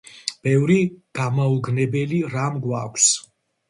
ბევრი გამაოგნებელი რამ გვაქვს.